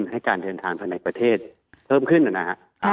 ให้การเที่ยวทางภาษาไทยประเทศเพิ่มขึ้นอะนะฮะอ่า